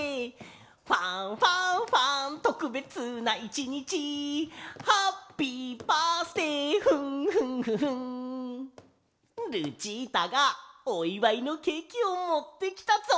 「ファンファンファンとくべつな一日」「ハッピーバースデーフンフンフフン」ルチータがおいわいのケーキをもってきたぞ！